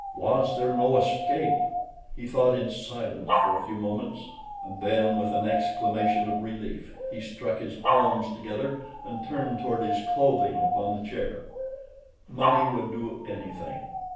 Was there no escape? He thought in silence for a few moments, and then, with an exclamation of relief, he struck his palms together and turned toward his clothing upon the chair. Money would do anything!